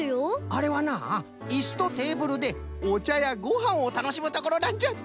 あれはないすとテーブルでおちゃやごはんをたのしむところなんじゃって！